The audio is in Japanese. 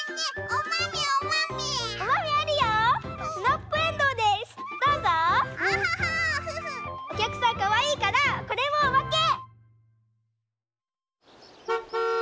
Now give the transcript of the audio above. おきゃくさんかわいいからこれもおまけ！